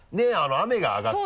雨が上がって。